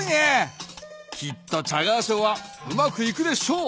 きっとチャガー・ショーはうまくいくでしょう！